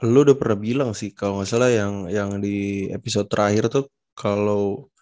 lu udah pernah bilang sih kalo gak salah yang di episode terakhir tuh kalo